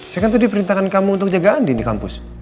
saya kan tadi perintahkan kamu untuk jaga andi di kampus